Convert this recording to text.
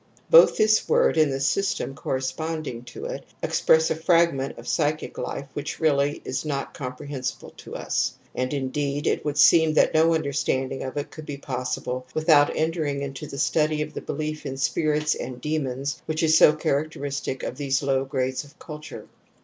Both this word and the system corresponding to it express a fragment of psychic hfe which really is not comprehensible to us. And indeed I ! 88 TOTEM AND TABOO r NV it would seem that no understanding of it could be possible without entering into the study of the belief in spirits and demons which is so characteristic of these low grades of culture.